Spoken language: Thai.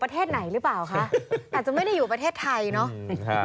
ประเทศไหนหรือเปล่าคะอาจจะไม่ได้อยู่ประเทศไทยเนอะ